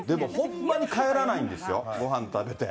でもほんまに帰らないんですよ、ごはん食べて。